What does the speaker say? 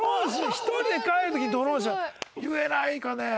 １人で帰る時「ドロンします」言えないかね？